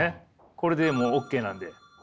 これでもうＯＫなんで。